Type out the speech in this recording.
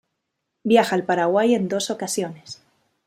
Viaja al Paraguay en dos ocasiones.